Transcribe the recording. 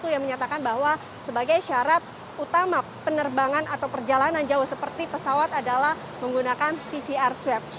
yang menyatakan bahwa sebagai syarat utama penerbangan atau perjalanan jauh seperti pesawat adalah menggunakan pcr swab